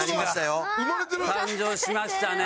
誕生しましたね。